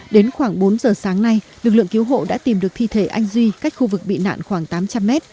đến khoảng bốn giờ sáng nay lực lượng cứu hộ đã tìm được thi thể anh duy cách khu vực bị nạn khoảng tám trăm linh mét